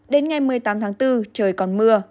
đến ngày một mươi tám tháng bốn trời còn mưa